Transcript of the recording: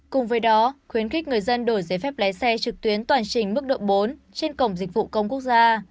cùng với đó khuyến khích người dân đổi giấy phép lái xe trực tuyến toàn trình mức độ bốn trên cổng dịch vụ công quốc gia